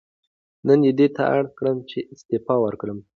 نن یې دې ته اړ کړم چې استعفا ورکړم.